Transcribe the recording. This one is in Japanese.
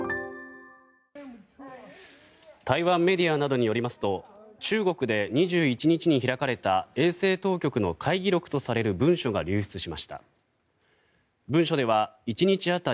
台湾メディアなどによりますと中国で２１日に開かれた衛生当局の会議録とされる文書が流出しました。